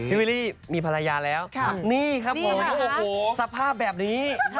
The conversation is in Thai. วิลลี่มีภรรยาแล้วนี่ครับผมโอ้โหสภาพแบบนี้